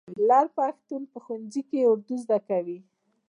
لر پښتون ښوونځي کې اردو زده کوي.